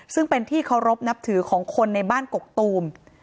ซึ่งเป็นที่เคารพนับถือของคนในบ้านกกตูม